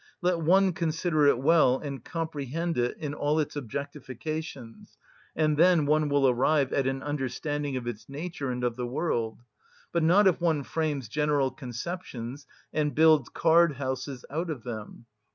(7) Let one consider it well and comprehend it in all its objectifications; and then one will arrive at an understanding of its nature and of the world; but not if one frames general conceptions and builds card houses out of them.